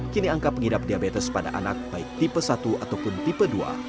kini angka pengidap diabetes pada anak baik tipe satu ataupun tipe dua